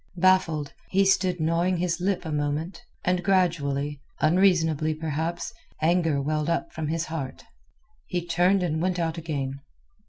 Baffled, he stood gnawing his lip a moment, and gradually, unreasonably perhaps, anger welled up from his heart. He turned and went out again.